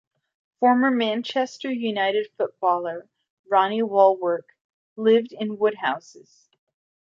Former Manchester United footballer, Ronnie Wallwork, lived in Woodhouses.